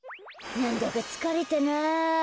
なんだかつかれたな。